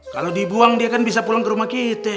kalau dibuang dia kan bisa pulang ke rumah kita